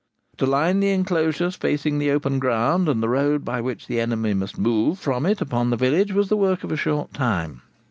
To line the enclosures facing the open ground and the road by which the enemy must move from it upon the village was the work of a short time.